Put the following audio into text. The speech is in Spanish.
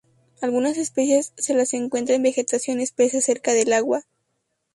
Algunas especies se las encuentra en vegetación espesa cerca del agua.